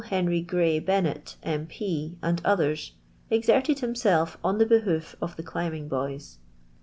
Henry Grey Bennet, M.F., and others, exerted himself on the behoof of the climbing boys.